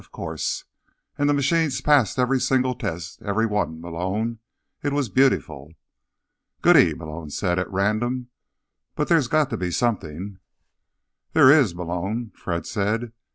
"Of course. And the machines passed every single test. Every one. Malone, it was beautiful." "Goody," Malone said at random. "But there's got to be something—" "There is, Malone," Fred said.